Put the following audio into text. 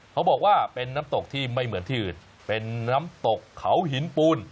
เขาบอกว่าเป็นน้ำตกที่ไม่เหมือนที่อื่นเป็นน้ำตกเขาหินปูน